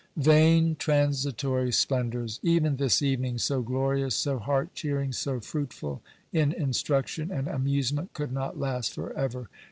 Vain, transitory splendours! Even this evening, so glorious, so heart cheering, so fruitful in instruction and amusement, could not last for ever.